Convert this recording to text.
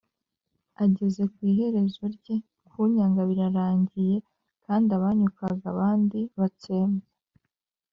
ageze ku iherezo rye kunyaga birarangiye kandi abanyukanyukaga abandi batsembwe